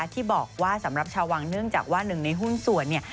ที่บอกว่าสำหรับชาววังเนื่องจากว่าหนึ่งในหุ้นส่วนเนี่ย